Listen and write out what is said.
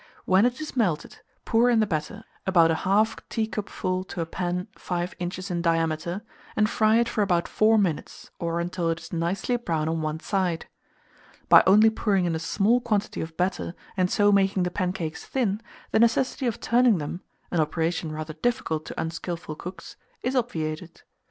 When it is melted, pour in the batter, about 1/2 teacupful to a pan 5 inches in diameter, and fry it for about 4 minutes, or until it is nicely brown on one side. By only pouring in a small quantity of batter, and so making the pancakes thin, the necessity of turning them (an operation rather difficult to unskilful cooks) is obviated.